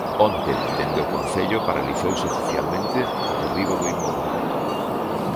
Onte dende o Concello paralizouse oficialmente o derribo do inmoble.